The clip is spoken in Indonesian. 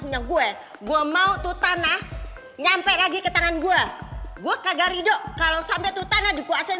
punya gue gua mau tutana nyampe lagi ke tangan gua gua kagak ridho kalau sampai tutana dikuasain